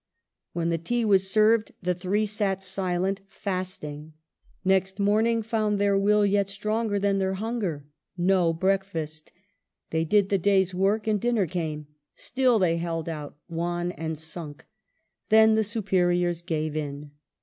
When the tea was served, the three sat silent, fasting. Next morning found their will yet stronger than their hunger — no breakfast. They did the day's work, and dinner came. Still they held out, wan and sunk. Then the superiors gave in.